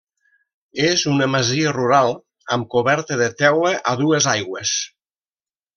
És una masia rural amb coberta de teula a dues aigües.